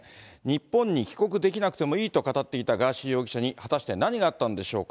日本に帰国できなくてもいいと語っていたガーシー容疑者に、果たして何があったんでしょうか。